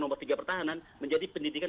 nomor tiga pertahanan menjadi pendidikan